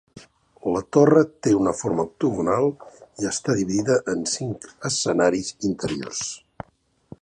La torre té una forma octagonal i està dividida en cinc escenaris interiors.